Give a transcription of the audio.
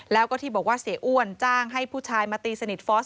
แล้วก็ที่บอกว่าเสียอ้วนจ้างให้ผู้ชายมาตีสนิทฟอส